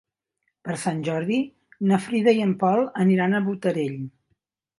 Per Sant Jordi na Frida i en Pol aniran a Botarell.